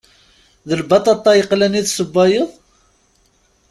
D lbaṭaṭa yeqlan i tessewwayeḍ?